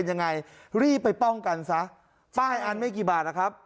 ยังไงรีบไปป้องกันซะป้ายอันไม่กี่บาทนะครับ